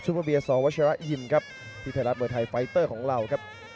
๓คู่ที่ผ่านมานั้นการันตีถึงความสนุกดูดเดือดที่แฟนมวยนั้นสัมผัสได้ครับ